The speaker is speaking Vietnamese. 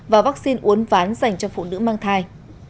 và vaccine uốn ván dành cho phụ nữ mang thai